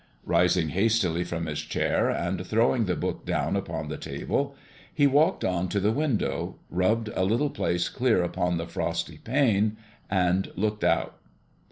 Rising hastily from his chair and throwing the book down upon the table, he walked on to the window, rubbed a little place clear upon the frosty pane, and looked out.